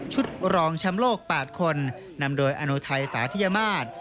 ชุดรองชำโลกปาดคนนำโดยอนุทัยสาธิยมาศ